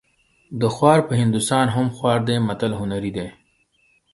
د خوار په هندوستان هم خوار دی متل هنري دی